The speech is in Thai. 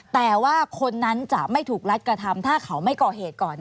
แต่ว่าคนนั้นจะไม่ถูกรัดกระทำถ้าเขาไม่ก่อเหตุก่อน